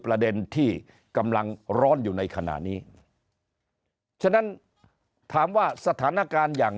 ประเด็นที่กำลังร้อนอยู่ในขณะนี้ฉะนั้นถามว่าสถานการณ์อย่าง